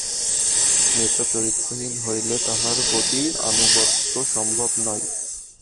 নেতা চরিত্রহীন হইলে তাহার প্রতি আনুগত্য সম্ভব নয়।